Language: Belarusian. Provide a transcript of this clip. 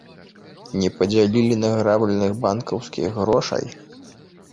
Не падзялілі награбленых банкаўскіх грошай?